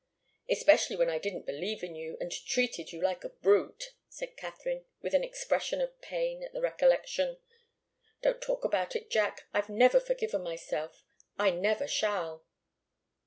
"Especially when I didn't believe in you, and treated you like a brute," said Katharine, with an expression of pain at the recollection. "Don't talk about it, Jack. I've never forgiven myself I never shall."